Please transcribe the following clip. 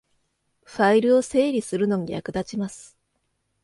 ファイルを整理するのに役立ちます